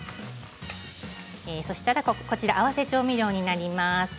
そしたら、こちら合わせ調味料になります。